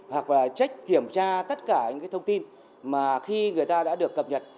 hoặc là trách kiểm tra tất cả những thông tin mà khi người ta đã được cập nhật